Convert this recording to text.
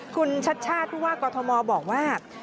คุณชัดชาติผู้ว่ากอทมบอกว่า